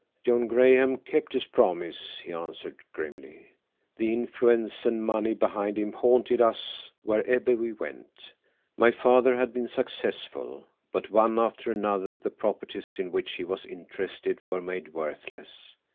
"John Graham kept his promise," he answered grimly. "The influence and money behind him haunted us wherever we went. My father had been successful, but one after another the properties in which he was interested were made worthless.